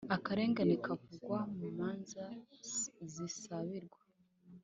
Akarengane kavugwa mu manza zisabirwa